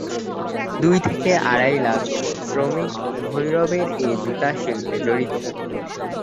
দুই থেকে আড়াই লাখ শ্রমিক ভৈরবের এ জুতা শিল্পে জড়িত।